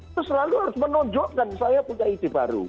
itu selalu harus menunjukkan saya punya ide baru